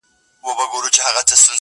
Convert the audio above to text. په لس هاوو یې لیدلي وه ښارونه!.